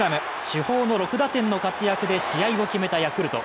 主砲の６打点の活躍で試合を決めたヤクルト。